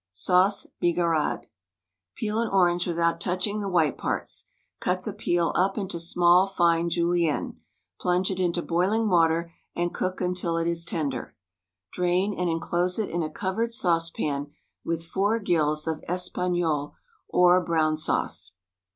Sauce Bigarade : Peel an orange without touching the white parts, cut the peel up into small, fine julienne. Plunge it into boiling water, and cook until it is tender. Drain and enclose it in a covered saucepan with four gills of espagnole or brown sauce.